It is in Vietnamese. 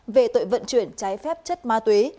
về tội vận chuyển trái phép chất ma túy